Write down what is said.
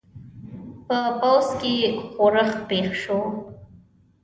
په پوځ کې ښورښ پېښ شو.